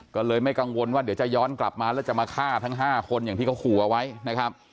ก็เลยไม่กังวลว่าเดี๋ยวจะย้อนกลับมาแล้วจะมาฆ่าทั้ง๕คนอย่างที่เขาขู่เอาไว้นะครับ